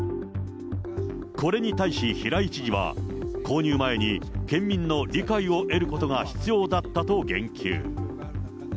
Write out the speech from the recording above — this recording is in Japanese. これに対し、平井知事は購入前に県民の理解を得ることが必要だったと言及。